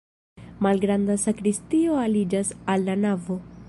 Malgranda sakristio aliĝas al la navo.